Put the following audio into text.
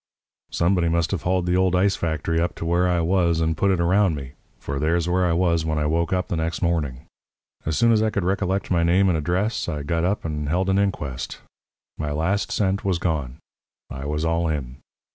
"Somebody must have hauled the old ice factory up to where I was, and put it around me, for there's where I was when I woke up the next morning. As soon as I could recollect by name and address I got up and held an inquest. My last cent was gone. I was all in.